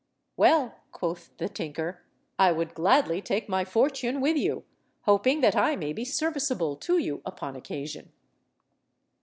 "Well," quoth the tinker, "I would gladly take my fortune with you, hoping that I may be serviceable to you upon occasion."